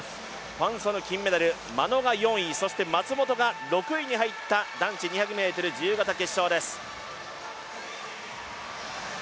ファン・ソヌ金メダル眞野が４位、そして松元が６位に入った男子２００ｍ自由形決勝です。